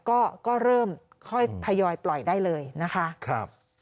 ก็เริ่มค่อยพยายายปล่อยได้เลยนะคะ